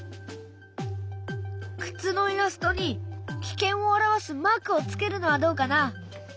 靴のイラストに危険を表すマークをつけるのはどうかな？